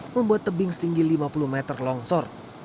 membuat tebing setinggi lima puluh meter longsor